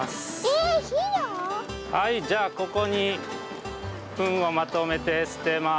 はいじゃあここにふんをまとめてすてます。